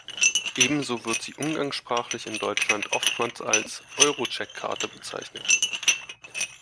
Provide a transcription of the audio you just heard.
Ebenso wird sie umgangssprachlich in Deutschland oftmals als Eurocheque-Karte bezeichnet.